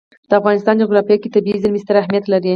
د افغانستان جغرافیه کې طبیعي زیرمې ستر اهمیت لري.